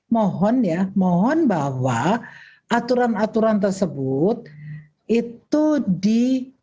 mohon ya mohon bahwa aturan aturan tersebut itu di